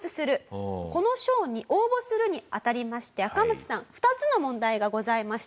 この賞に応募するにあたりましてアカマツさん２つの問題がございました。